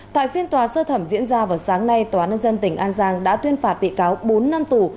tại phiên tòa sơ thẩm diễn ra vào sáng nay tòa nhân dân tỉnh an giang đã tuyên phạt bị cáo bốn năm tù